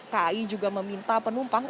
t a i juga meminta penumpang